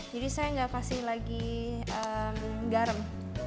jadi saya enggak kasih lagi garam